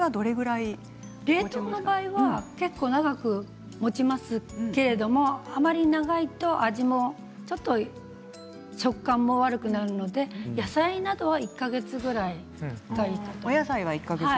冷凍の場合は結構長くもちますけどあまり長いと味も食感も悪くなるので野菜などは１か月ぐらいがいいかと。